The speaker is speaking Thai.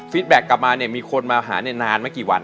แบ็คกลับมาเนี่ยมีคนมาหาเนี่ยนานไม่กี่วัน